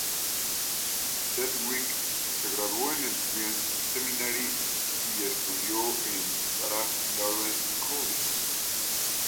Sedgwick se graduó en el Friends Seminary y estudió en el Sarah Lawrence College.